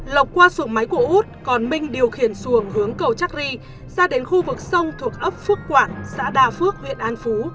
lọc qua xuồng máy của út còn minh điều khiển xuồng hướng cầu chắc ri ra đến khu vực sông thuộc ấp phước quản xã đà phước huyện an phú